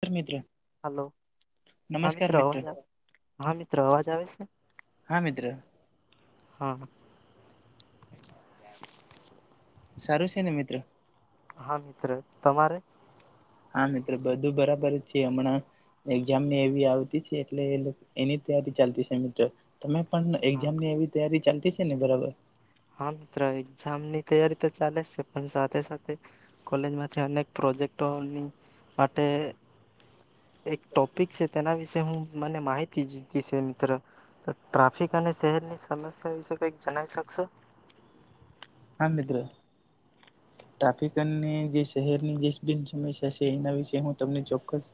ધર મિત્ર. હલો હા મિત્ર અવાજ હા, મિત્ર અવાજ આવે છે. હા મિત્ર હા. સારું છે ને મિત્ર. હા મિત્ર, તમારે? હા મિત્ર બધું બરાબર છે, હમણાં એક્ઝામની એવી આવતી છે એટલે એની તૈયારી ચાલતી છે મિત્ર. તમે પણ હા એક્ઝામ ની એવી તૈયારી. ચાલતી છે ને બરાબર. હા મિત્ર એક્ઝામ ની. તૈયારી તો ચાલે છે પણ સાથે સાથે કોલેજમાંથી અનેક પ્રોજેક્ટોની માટે એક ટોપિક છે તેના વિશે હું મને માહિતી જોઈ છે મિત્ર, તો ટ્રાફિક અને શહેરની સમસ્યા વિશે કંઈક જણાવ શકશો. હા મિત્ર. ટ્રાફિક અને જે શહેરની જે બિ સમસ્યા છે એના વિશે હું તમને ચોક્કસત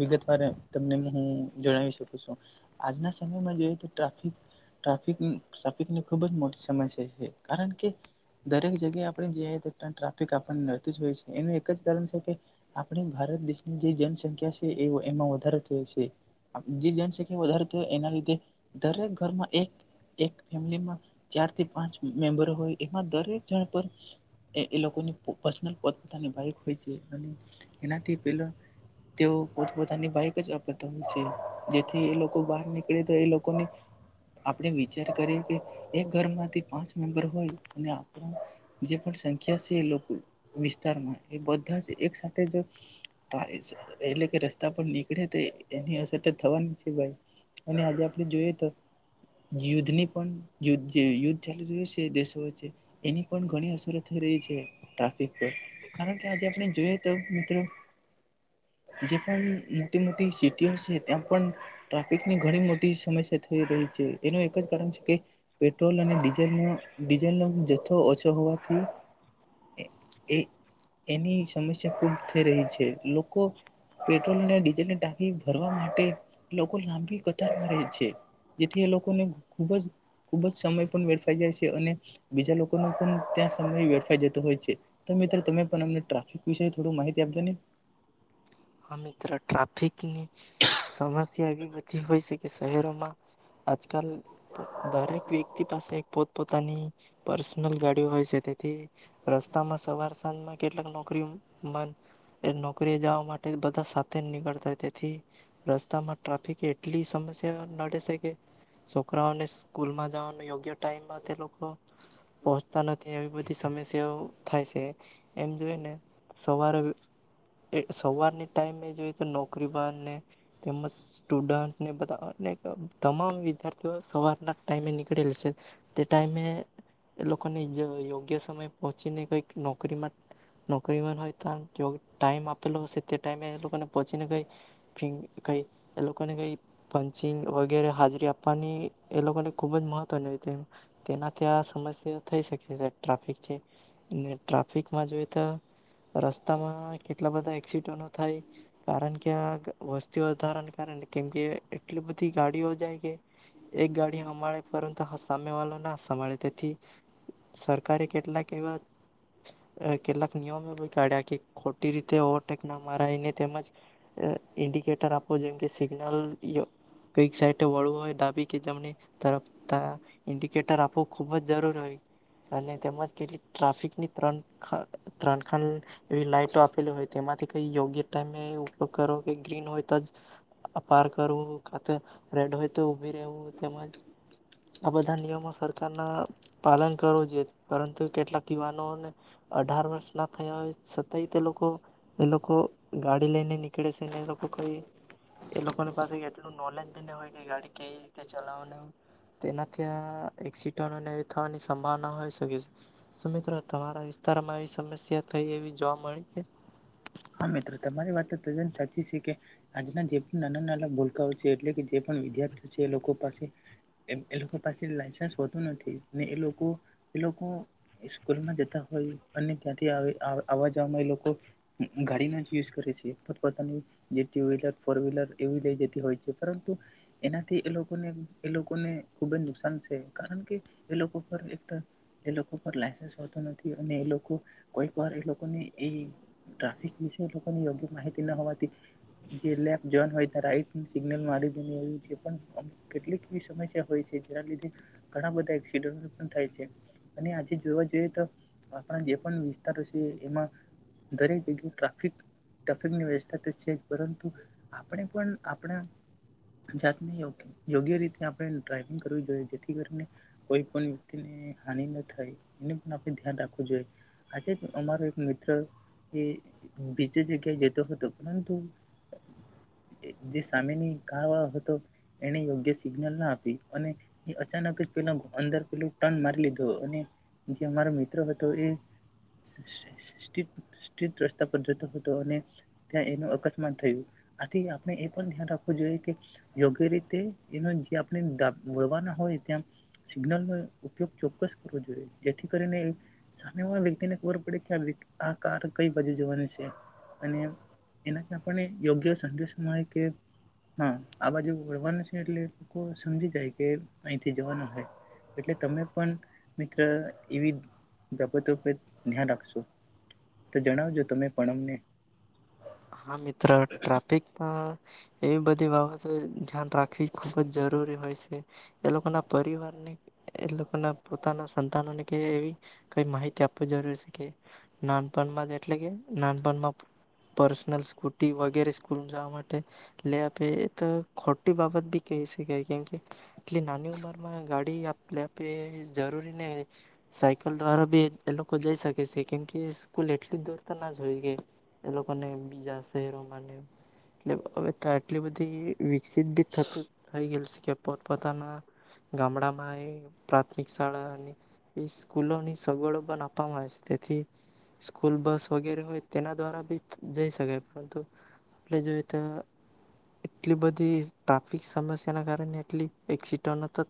વિગતવાર તમને હું જણાવી શકું છું. આજના સમયમાં જોઈએ તો ટ્રાફિક ટ્રાફિક ટ્રાફિકની ખુબ જ મોટી સમસ્યા છે કારણ કે દરેક જગ્યાએ આપ ટ્રાફિક આપણને નડતું જ હોય છે એનું એક જ કારણ છે કે આપણી ભારત દેશની જે જનસંખ્યા છે એ એમાં વધારો થયો છે, જે જનસંખ્યા વધારે થ એના લીધે દરેક ઘરમાં એક ફેમિલીમાં ચાર થી પાંચ મેમ્બર હોય એમાં દરેક જણ પર. એ એ પર્સનલ પોતપોતાની બાઈક હોય છે, અને એનાથી પેલા તેઓ પોતપતાની બાઈક જ વાપરતા હોય છે જેથી એ લોકો બહાર નીકળે તો એ લોકો આપણે વિચાર કરીએ કે એક ઘરમાંથી પાંચ મેમ્બર હોય અને. જે સંખ્યા છે લોકો વિસ્તારમાં એ બધા જ એક સાથે એટલે કે રસ્તા પર નીકળે તો એની અસર તો થવાની છે ભઈ, અને આજે આપણે જોઈએ તો યુદ્ધની પણ યુદ્ધ ચાલી રહ્યું છે દેશો વચ્ચે એની ઘણી અસર થઈ રહી છે ટ્રાફિક પર કારણ કે આજે આપણે જોઈએ તો મિત્ર, જે પણ મોટી મોટી સિટીઓ છે ત્યાં પણ ટ્રાફિકની ઘણી મોટી સમસ્યા થઈ રહી છે, એનું એક જ કારણ છે કે પેટ્રોલ અને ડીઝલનો ડીઝલનો જથ્થો ઓછ હોવાથી એ એની સમસ્યા ખૂબ થઈ રહી છે લોકો પેટ્રોલ અને ડીઝલની ટાંકી ભરવા માટે લોકો લાંબી કતારમાં રહે છે, જેથી એ લોકોને ખૂબ જ ખુબ જ સમય પણ મેળફાઈ જાય છે અને બીજા લોકો પણ ત્યાં સમય વેડફાઈ જતો હોય છે, તો મિત્ર તમે પણ અમને ટ્રાફિક વિશે થોડું માહિતી આપજો ને? હા મિત્ર ટ્રાફિકની સમસ્યા એવી બધી હોય છે કે શહેરોમાં. આજકાલ દરેક વ્યક્તિ પાસે પોતપોતાની. પર્સનલ ગાડી હોય છે તેથી રસ્તામાં સવાર સાંજમાં કેટલાક નોકરી નોકરી જવા મા એ બધા સાથે જ નીકળતા હો તેથી રસ્તામાં ટ્રાફિક એટલી સમસ્યા નડે છે કે છોકરાઓને સ્કૂલમાં જવાનું યોગ્ય ટાઈમમાં તે લોકો પહોંચતા નથી, એવી બધી સમસ્યાઓ થાય છે એમ જોઈને સવારે એ સવારની ટાઈમે જોઈએ તો નોકરીબારને તેમજ સ્ટુડન્ટને બધા અનેક તમામ વિદ્યાર્થીઓ સવારના. ટાઈમે નીકળેલ છે તે ટાઈમે એ લોકોને યોગ્ય સમય પહોંચીને કઈક નોકરીમાં નોકરીમાં હોય તો ટાઈમ આપ સ તે ટાઈમે એ લોકોને પહોંચીને કઈ કઈ એ લોકોને કઈ પંચિંગ વગેરે હાજરી આપવાની એ લોકોને ખુબ જ મહત્વની તેમ. તેનાથી આ સમસ્યા થઈ શકે ટ્રાફિક છે. ટ્રાફિક. જોઈ તો રસ્તામાં કે. એટ બધા એક્સિડ થાય કારણ કે આ વસ્તી વધારા. કેમકે એટલી બધી ગાડીઓ જાય કે એક ગાડી હમારે પરંતુ સામે વાળો. નાભળે તેથી સરકારી. કેટલાક એવા કેટલાક નિયમ એ ગાઢ્યા કે ખો રીતે ઓવરટેક ના મારાવીને તેમજ ઇન્ડિકેટર આપવો જેમ કે સિગ્નલ કઈક સાઈડ વળવું હોય ડાબી કે જમણી તરફ ઇન્ડિકેટર આપવું ખૂબ જ જરૂરી હોય, અને તેમજ કેટલી ટ્રાફિકની ત્રણ ત્રણ ખં આપેલો હોય તેમાંથી કઈ યોગ્ય ટાઈમે ઉપયોગ કરો કે ગ્રીન હોય તોજ. અ પાર કરવું કત. રેડ હોય તો ઉભી રહેવું તેમજ આ બધા નિયમો સરકારના પાલન કરવું જોઈએ પરંતુ કેટલાક યુવાનોને અઢાર વર્ષ ના થયા હોય થઈ તે લોકો એ લોકો ગાડી લઈને નીકળે શે ને એ લોકો કંઈ એ લોકોની પાસેઈ એટલું નોલેજ બ ન હોય કે ગાડી કવી રીતે ચલાવવાને હોય તેનાથી આ એક્સિડન્ટને એવી થવાની સંભાવના હોઈ શકે શે શું મિત્રો તમારા વિસ્તારમાં એવી સમસ્યા થઈ એવી જોવા મળ છે હા, મિત્રો તમારી વાત તો તદ્દન સાચી છે, કે આજના જે પણ નાના નાના ભૂલકાઓ છે એટલે કે જે પણ વિદ્યાર્થીઓ છે એ લોકો પાસે, એ લોકો પાસે લાઇસન્સ હોતું નથી ને લોકો, એ લોકો સ્કૂલમાં જતા હોય અને ત્યાંથી આવવા જ એ લોકો ગાડી નો યુઝ કરે છે પોતપોતાની જે ટુ વ્હીલર, ફોર વ્હીલર, એવી લઈ જતી હોય છે, પરંતુ એનાથી એ લોકોને એ લોકોને ખુબ જ નુકસાન છે કારણ કે એ લોકો પર એક, એ લોકો પર લન્સ હોતો નથી અને એ લોકો કોઈક વાર એ લોકોને એ ટ્રાફિક વિશે લોકોની યોગ્ય માહિતી ના હોવાથી જે લેફ્ટ જવાન હોય તા રાઈટ સિગ્નલ મા દે એવું કેટલીક એવી સમસ્યા હોય છે, જેના લીધે ઘણા બધા એકસીડન્ટ થાય છે અને આજે જોવા જોઈએ તો આપણા જે પણ વિસ્તારો છે એમાં દરેક જગ્યાએ ટ્રાફિક, ટ્રાફિકની વ્યવસ્થા છે પરંતુ આપણે પણ આપણા જાતને યોગ્ય રીતે આપણે ડ્રાઈવિંગ કરવી જોઈએ જેથી કરીને કોઈ પણ વ્યક્તિને હાનિ ન થાય એ પણ આપણે ધ્યાન રાખવું જોઈએ આજે અમારો એક મિત્ર એ બીજ જગ્યાએ જતો હતો, પરંતુ જે સામેની ગા વા હતો એને યોગ્ય સિગ્નલ ના આપી અને એ અચાનક જ પેલા અંદર પેલું ટર્ન મારી લીધો અને જે અમારો મિત્ર હતો એ સ્ટેટ રસ્તા પર જતો હતો અને ત્યાં એનું અકસ્માત થયું, આથી આપણે એ પણ ધ્યાન રાખવું જોઈએ કે યોગ્ય રીતે એનો જે આપણેવાના હોય ત્યાં સિગ્નલનો ઉપયોગ ચોક્કસ કરવો જોઈએ જેથી કરીને સામેવા વ્યક્તિને ખબર પડે કે કાર કઈ બાજુ જવાની છે અને એનાથી આપણને યોગ્ય સંદેશ મળે કે હા આ બાજુ વળવાનું છે એટલે લોકો સમજી જાય કે અહીંથી જવાનું હોય એટલે તમે પણ મિત્ર એવી બાબતો પર ધ્યાન રાખશો તો જણાવજો તમે પણ અમને હા, મિત્ર ટ્રાફિકમાં એવી બધી બાબતો આમ ત્યાંથી ખૂબ જ જરૂરી હોય છે એ લોકો ના પરિવારને, એ લોકો ના પોતાના સંતાનોને કે એવી કઈ માહિતી આપવી જરૂરી છે કે નાનપણમાં જ એટલે કે નાનપણમાં પર્સનલ સ્કૂટી વગેરે સ્કૂલમાં જ માટે લે આપે એ તો ખોટી બાબત બી કહી શકાય કેમકે એટલી નાની ઉંમરમાં ગાડી લે આપે જરૂરી ને સાયકલ દ્વારા બી એ લોકો જઈ શકે શે કેમકે સ્કૂલ એટલી દૂર તો ના જ હોય કે બીજા શહેરોમાં એટલે હવે આટલી બધી વિકસિત બી થતું થઈ ગયે છે કે પોત પોતાના ગામડામાં એ પ્રાથમિક શાળાની એ સ્કૂલોની સગવડો પણ આપવામાં આવે છે, તેથી સ્કૂલ બસ વગેરે હોય તેના દ્વારા બી જઈ સકાય પરંતુ આપણે જો તો એટલી બધી ટ્રાફિક સમસ્યાના, કારણે એટલી એકસિટન્ટ તો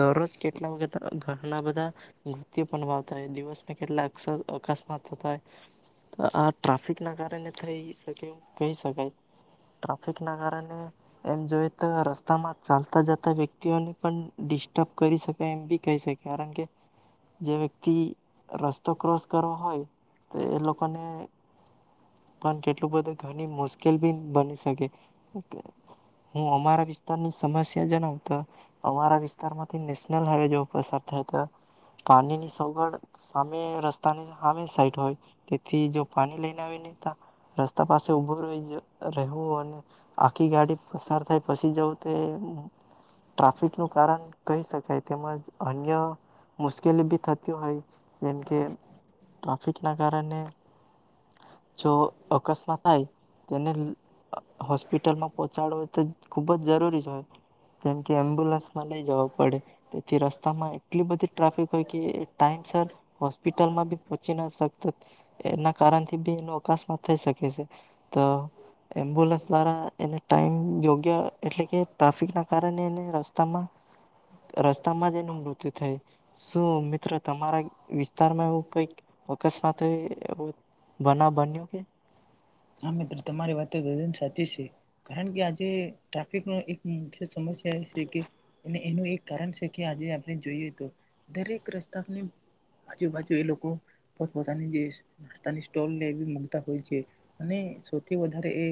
દરરોજ કેટલા વખત ઘરના બધા મૃતિ પણ વાાવતા દિવસને કેટલા અક્ષર અકસ્માત થતા. આ ટ્રાફિકના કારણે થઈ શકે એમ કહી શકાય ટ્રાફિકના કારણે એમ જોઈએ તો રસ્તામાં ચાલતા જતા વ્યક્તિઓને પણ ડિસ્ટર્બ કરી શકાય એમ બી કહી શકાય, કારણ કે જે વ્યક્તિ રસ્તો ક્રોસ કરો હોય તો એ લોકોને પણ કેટલું બધું ઘણી મુશ્કેલ બી બની શકે. હું અમારા વિસ્તારની સમસ્યા ત્યા જણાવ તો અમારા વિસ્તાર માંથી નેશનલ હાઈવે જોવો પસાર થાય. તો પાણી ની સગવડ સા મે રસ્તાની સામે સાઈટ હોય તેથી જો પાણી લઈને આવી નહ ત રસ્તા પાસે ઉઊભો રહી રહેવું, અને આખી ગાડી પસાર થાય પછી જવું તે ટ્રાફિક નું કારણ કહી શકાય. તેમજ અન્ય મુશ્કેલી બી થતી હોય જેમકે, ટ્રાફિકના કારણે જો અકસ્માતાય થાય. તેને હોસ્પિટલમાં પહોંચાડવ હોય તો. ખુબ જ જરૂરી છેય. જેમ કે એમ્બ્યુલન્સમાં નહી જવા પડે, તેથી રસ્તામાં એટલી બધી ટ્રાફિક હોય કે ટાઈમ સર હોસ્પિટલમાં બી પહોંચી ના શકતા એના. કારણથી બી એનો અકસ્માત થઈ શકે છે, તો એમ્બ્યુલન્સ દ્વારા એને ટાઈમ યોગ્ય એટલે કે ટ્રાફિકના કારણે એને રસ્તામાં રસ્તામાં જ એનું મૃત્યુ થાય. શું મિત્ર તમારા વિસ્તારમાં એવું કંઈક અકસ્માતય એવુ બનાવ બન્યો કે? હા મિત્ર તમારી વાતન સાચી છે, કારણ કે આજે ટ્રાફિક નો એક સમસ્યા એ છે કે એને. એનું એક કારણ છે કે આજે આપણે જોઈએ તો દરેક રસ્તાની આજુબાજુ એ લોકો પોતપોતાની જે નાસ્તાની સ્ટોલ એ મૂકતા હોય છે. અને સૌથી વધારે એ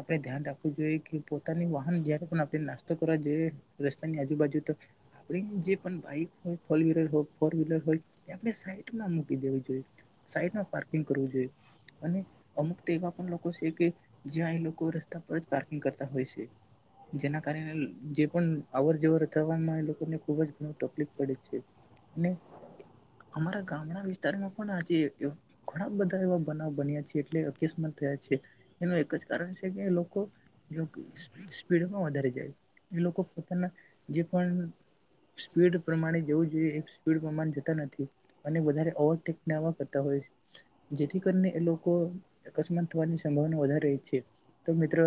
આપણે ધ્યાન રાખવું જોઈએ કે, પોતાની વાહન જયારે પણ આપણે નાસ્તો કરવા જોઈએ રસ્તાની આજુબાજુ તો આપણી જે પણ બાઈક હોય ફોર વ્લર હોય ફોર વ્હીલર હોય એ આપણે સાઈટમાં મૂકી દેવી જોઈએ સાઈટમાં પાર્કિંગ કરવું જોઈએ, અને અમુક. એવા પણ લોકો છે કે જ્યાં એ લોકો રસ્તા પર જ પાર્કિંગ કરતા હોય છે જેના કારણે જે પણ અવર જવર થવામાં એ લોકોને ખુબ જ ઘણ તકલીફ પડે છે, અને અમારા ગામડા વિસ્તારમાં પણ આજે ઘણા બધા એવા બનાવ બન્યા છે એટલે. કેસ પણ થયા છે, એનું એક જ કારણ છે કે લોકો સ્પીડમાં વધારે જાય એ લોકો પોતાના જે પણ સ્પીડ પ્રમાણે જવું જોઈએ એ સ્પીડ પ્રમાણે જતા નથી અને વધારે ઓવરટેકવા કરતા હોય જેથી કરીને એ લોકો. અકસ્માત થવાની સંભાવના વધારે રહી છે, તો મિત્ર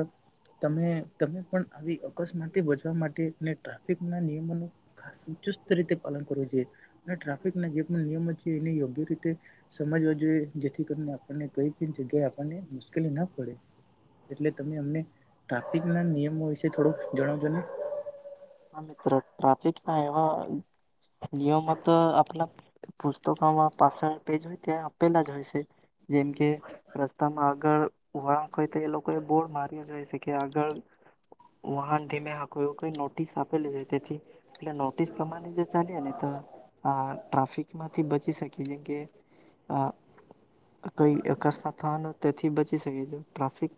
તમે તમે પણ આવી અકસ્માતે બચવા માટે ટ્રાફિક ના નિયમોનું ખાસ ચુસ્ત રીતે પાલન કરવો જોઈએ અને ટ્રાફિકના જે પણ નિયમો છે એને યોગ્ય રીતે સમજવા જોઈએ જેથી કરીને આપને કઈ. જગ્યા આપવાને મુશ્કેલી ના પડે, એટલે તમે અમને ટ્રાફિક ના નિયમો વિશે થોડુંક જણાવજો ને? હા મિત્ર ટ્રાફિક ના એવા નિયમો તો આપણા પુસ્તકોમાં પાછળ પેજ હોય ત્યાં આપેલા જ હોય છે, જેમ કે રસ્તામાં આગળ વળાંક હોય તો એ લોકોએ બોર્ડ માર્યા જ હોય છે કે આગળ વાહન ધીમે હઈ નોટિ સ આપેલી હોય તેથી. એટલે નોટિસ પ્રમાણે જો ચાલીએ ને તો આ. ટ્રાફિકમાંથી બચી શકી જેમ કે આ. કોઈ અકસ્માત થવાનું. તેથી બચી શકે છે, ટ્રાફિક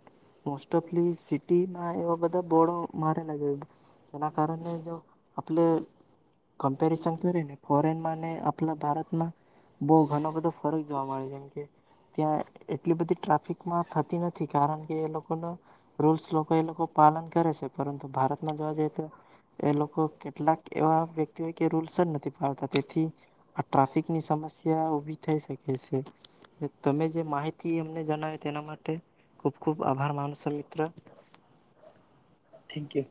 મોસ્ટ ઓફ સિટીમાં એવા બધા બોડો મારેલા,. તેના કારણેણે જો આપલે કમ્પેરિસન કરીને. ફોરેનમાં અને આપલા ભારતમાં બહુ ઘણો બધો ફરક જોવા મળે, જેમ કે ત્યાં એટલી બધી ટ્રાફિકમાં થતી નથી કારણ કે એ લોકોના રૂલ્સ લોકો એ લોકો પાલન કરે છે પરંતુ ભારતમાં જોવા જઈ એ લોકો કેટલાક એવા વ્યક્તિઓ કે રૂલ્સ જ નથી પાડતા તેથી આ ટ્રાફિકની સમસ્યા ઉભી થઈ શકે છે, તમે જે માહિતી અમને જણાવ તેના માટે ખુબ ખુબ આભાર માનું છો મિત્ર. Thank you.